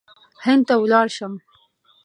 هند ته ولاړ شم.